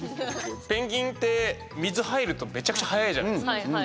ペンギンって水、入るとめちゃくちゃ速いじゃないですか。